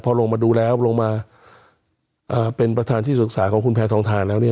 พอลงมาดูแล้วลงมาเป็นประธานที่ศึกษาของคุณแพทองทานแล้วเนี่ย